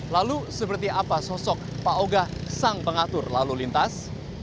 lalu seperti apa sosok pak ogah sang pengatur lalu lintas